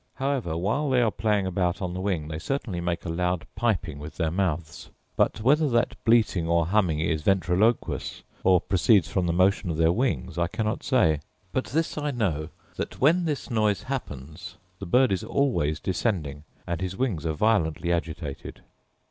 However, while they are playing about on the wing they certainly make a loud piping with their mouths: but whether that bleating or humming is ventriloquous, or proceeds from the motion of their wings, I cannot say; but this I know, that when this noise happens the bird is always descending, and his wings are violently agitated.